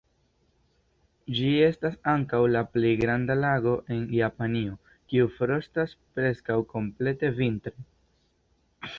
Ĝi estas ankaŭ la plej granda lago en Japanio kiu frostas preskaŭ komplete vintre.